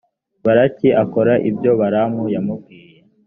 balaki akora ibyo balamu yamubwiye.